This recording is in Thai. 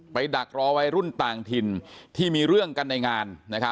ดักรอวัยรุ่นต่างถิ่นที่มีเรื่องกันในงาน